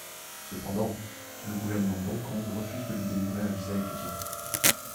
Cependant, le gouverment d'Hong Kong refuse de lui délivrer un visa étudiant.